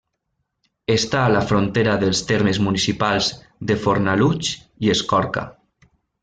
Està a la frontera dels termes municipals de Fornalutx i Escorca.